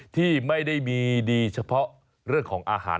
ที่ไม่ได้มีดีเฉพาะเรื่องของอาหาร